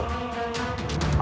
baik syekh guru